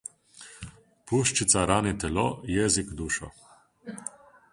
Puščica rani telo, jezik dušo.